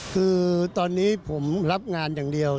คือตอนนี้ผมรับงานอย่างเดียว